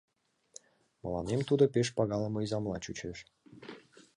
Мыланем тудо пеш пагалыме изамла чучеш.